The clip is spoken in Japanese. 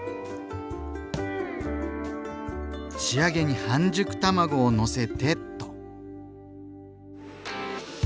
仕上げに半熟卵をのせてっと。